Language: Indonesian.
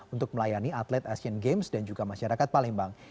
untuk melayani atlet asian games dan juga masyarakat palembang